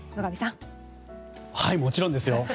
はい、もちろんですよ。